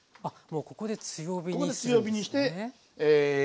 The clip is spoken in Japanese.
ここで強火にして一気に。